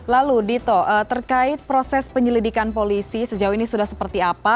lalu dito terkait proses penyelidikan polisi sejauh ini sudah seperti apa